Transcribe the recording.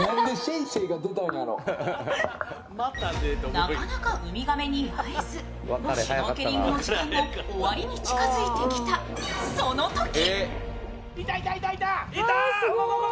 なかなか海亀に会えず、シュノーケリングの時間も終わりに近づいてきたそのとき。